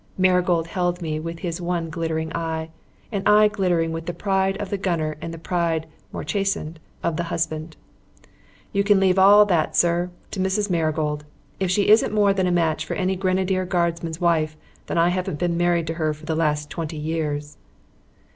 Marigold held me with his one glittering eye an eye glittering with the pride of the gunner and the pride (more chastened) of the husband. "You can leave all that, sir, to Mrs. Marigold. If she isn't more than a match for any Grenadier Guardsman's wife, then I haven't been married to her for the last twenty years."